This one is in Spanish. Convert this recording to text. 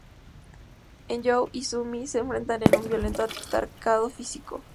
Eun-joo y Su-mi se enfrentan en un violento altercado físico.